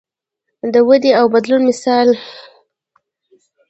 د ودې او بدلون مثال.